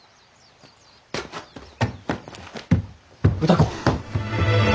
歌子！